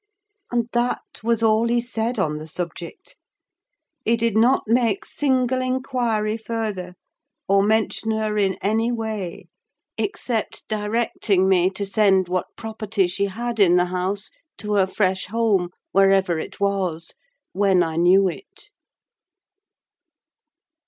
And that was all he said on the subject: he did not make a single inquiry further, or mention her in any way, except directing me to send what property she had in the house to her fresh home, wherever it was, when I knew it.